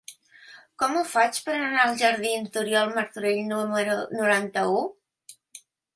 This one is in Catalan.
Com ho faig per anar als jardins d'Oriol Martorell número noranta-u?